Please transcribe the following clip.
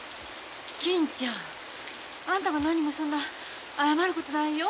金ちゃんあんたがなにもそんな謝ることないよ。